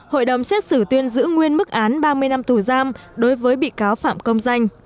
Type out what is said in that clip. hội đồng xét xử tuyên giữ nguyên mức án ba mươi năm tù giam đối với bị cáo phạm công danh